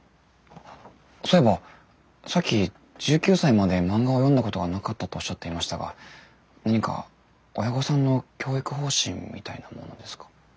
そういえばさっき１９歳まで漫画を読んだことがなかったとおっしゃっていましたが何か親御さんの教育方針みたいなものですか？